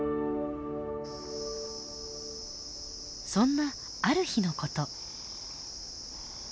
そんなある日のこと。